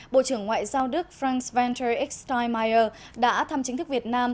bộ trưởng ngoại giao đức franz walter x steinmeier đã thăm chính thức việt nam